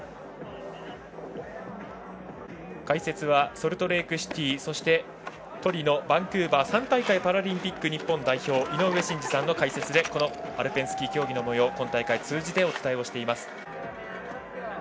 解説は、ソルトレークシティーそして、トリノ、バンクーバー３大会パラリンピック日本代表の井上真司さんの解説でアルペンスキー競技のもようを今大会通じてお伝えしています。